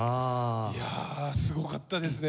いやあすごかったですね！